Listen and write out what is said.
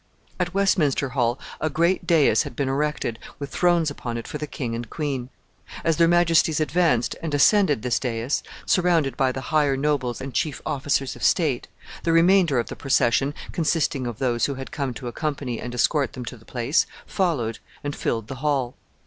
At Westminster Hall a great dais had been erected, with thrones upon it for the king and queen. As their majesties advanced and ascended this dais, surrounded by the higher nobles and chief officers of state, the remainder of the procession, consisting of those who had come to accompany and escort them to the place, followed, and filled the hall.